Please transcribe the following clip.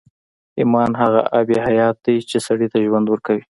ایمان هغه آب حیات دی چې سړي ته ژوند ورکوي